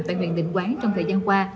tại huyện định quán trong thời gian qua